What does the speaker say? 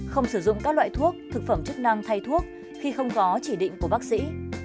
không sử dụng các loại thuốc thực phẩm chức năng thay thuốc khi không có chỉ định của bác sĩ